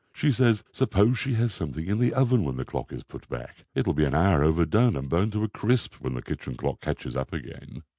She says suppose she has something in the oven when the clock is put back, it will be an hour overdone and burned to a crisp when the kitchen clock catches up again."